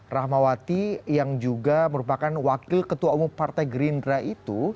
rahmawati yang juga merupakan wakil ketua umum partai gerindra itu